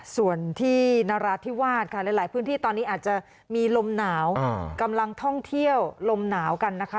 ส่วนที่นราธิวาสค่ะหลายพื้นที่ตอนนี้อาจจะมีลมหนาวกำลังท่องเที่ยวลมหนาวกันนะคะ